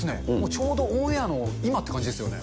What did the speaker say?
ちょうどオンエアの今って感じですよね。